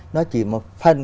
nó chỉ một phần